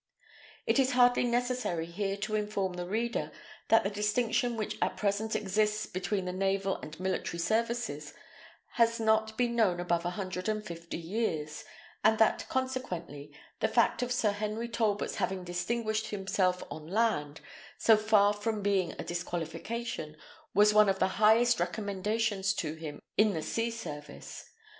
It is hardly necessary here to inform the reader, that the distinction which at present exists between the naval and military services has not been known above a hundred and fifty years; and that, consequently, the fact of Sir Henry Talbot's having distinguished himself on land, so far from being a disqualification, was one of the highest recommendations to him in the sea service!